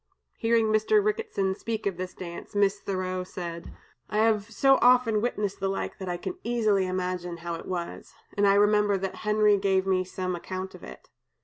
Hearing Mr. Ricketson speak of this dance, Miss Thoreau said: "I have so often witnessed the like, that I can easily imagine how it was; and I remember that Henry gave me some account of it.